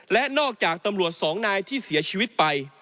และนอกจากตำรวจสองนายที่เสียชีวิตไป